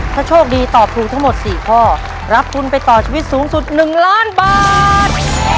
ถ้าโชคดีตอบถูกทั้งหมด๔ข้อรับทุนไปต่อชีวิตสูงสุด๑ล้านบาท